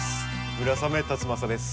村雨辰剛です。